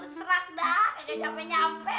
serah dah lagi nyampe nyampe